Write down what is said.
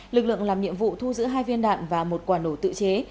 lực lượng làm nhiệm vụ thu giữ hai viên đạn và một quả nổ tự chế